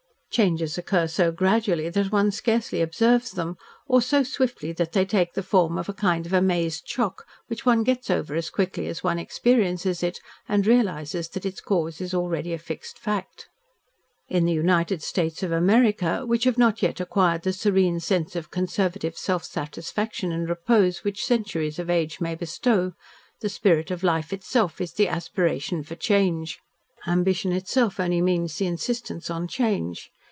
Changes occur so gradually that one scarcely observes them, or so swiftly that they take the form of a kind of amazed shock which one gets over as quickly as one experiences it and realises that its cause is already a fixed fact. In the United States of America, which have not yet acquired the serene sense of conservative self satisfaction and repose which centuries of age may bestow, the spirit of life itself is the aspiration for change. Ambition itself only means the insistence on change.